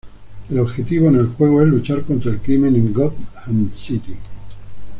El objetivo en el juego es luchar contra el crimen en Gotham City.